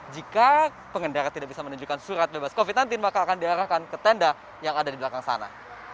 jika pengendara tidak bisa menunjukkan surat bebas covid sembilan belas maka akan diarahkan ke tenda yang ada di belakang sana